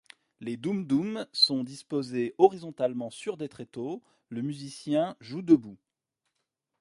Les dum dum sont disposés horizontalement sur des tréteaux, le musicien joue debout.